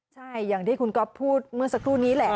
ใช่อย่างที่คุณก๊อฟพูดเมื่อสักครู่นี้แหละ